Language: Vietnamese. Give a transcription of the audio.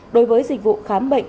đối với dịch vụ khám bệnh